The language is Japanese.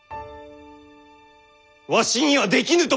わしにはできぬと申すか。